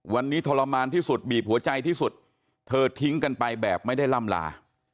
วันนี้ทรมานที่สุดบีบหัวใจที่สุดเธอทิ้งกันไปแบบไม่ได้ล่ำลา